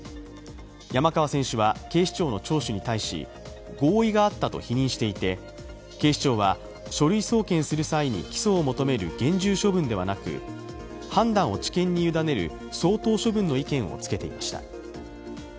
山川選手は警視庁の聴取に対し合意があったと否認していて警視庁は書類送検する際に起訴を求める厳重処分ではなく判断を地検に委ねる相当処分の意見をつけていました。